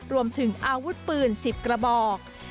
รวมถึงอาวุธปืน๑๐กระบอก